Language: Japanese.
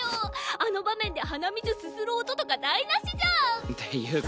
あの場面で鼻水すする音とか台なしじゃん！っていうか